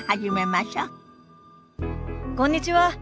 こんにちは。